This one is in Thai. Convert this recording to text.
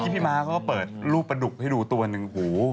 พี่ม้าเค้าเปิดรูปประดูกไปดูตัวหนึ่ง